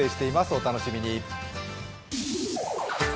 お楽しみに。